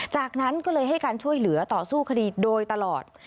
จากนั้นก็เลยให้การช่วยเหลือต่อสู้คดีโดยตลอด